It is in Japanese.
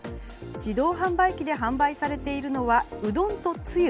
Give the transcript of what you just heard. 自動販売機で販売されているのはうどんとつゆ。